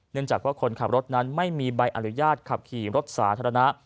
จากว่าคนขับรถนั้นไม่มีใบอนุญาตขับขี่รถสาธารณะ